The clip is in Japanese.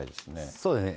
そうですね。